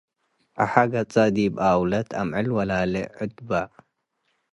አሐ ገጸ ዲብ ኣውለት አምዕል ወላሊ ዕድበ